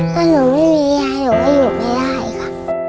ถ้าหนูไม่มียายหนูก็อยู่ไม่ได้ค่ะ